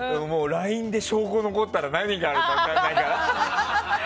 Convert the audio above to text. ＬＩＮＥで証拠が残ったら何があるか分からないから。